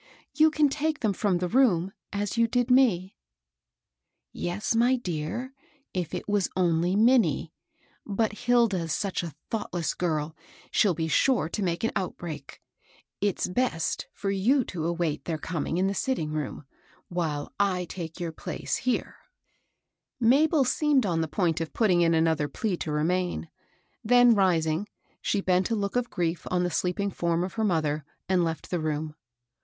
You can take them from the room, as you did me." " Yes, my dear, if it was only Minnie ; but Hilda's such a thoughtless girl, she'll be sure to make an outbreak. It's best for you to await their coming in the sitting room, while I take your place here." 12 MABEL ROSS. Mabel seemed on the point of putting in another plea to remain ; then rising, she bent a look of grief on the sleeping form of her mother, and left the room.